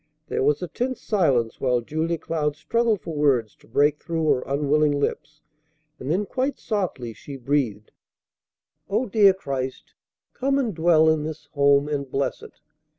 There was a tense silence while Julia Cloud struggled for words to break through her unwilling lips, and then quite softly she breathed: "O dear Christ, come and dwell in this home, and bless it.